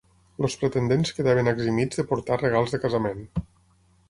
Els pretendents quedaven eximits de portar regals de casament.